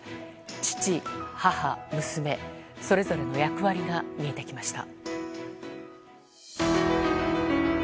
父、母、娘それぞれの役割が見えてきました。